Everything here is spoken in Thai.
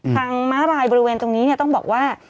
ม้าลายบริเวณตรงนี้ต้องบอกว่า